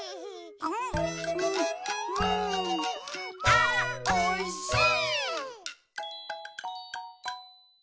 「あおいしい！」